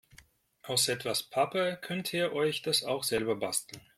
Aus etwas Pappe könnt ihr euch das auch selber basteln.